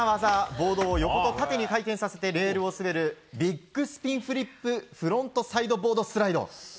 ボードを横と縦に回転させてレールを滑るビッグスピンフリップフロントサイドボードスライド。